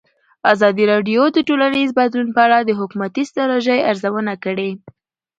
ازادي راډیو د ټولنیز بدلون په اړه د حکومتي ستراتیژۍ ارزونه کړې.